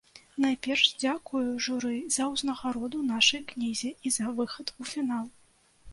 Найперш дзякую журы за ўзнагароду нашай кнізе і за выхад у фінал.